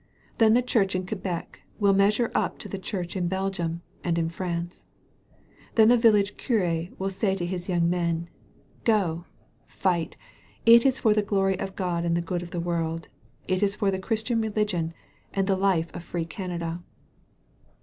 Then the church in Quebec will measure up to the church in Belgium and in tVance. Then the village cur£ will say to his young men: "Go! Fight! It is for the glory of God and the good of the world. It is for the Christian religion and the life of free Canada."